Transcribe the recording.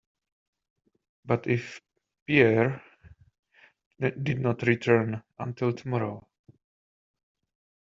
But if Pierre did not return, until tomorrow.